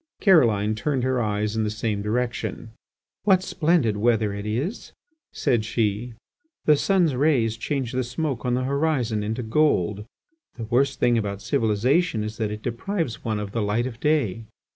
Caroline turned her eyes in the same direction. "What splendid weather it is!" said she. "The sun's rays change the smoke on the horizon into gold. The worst thing about civilization is that it deprives one of the light of day."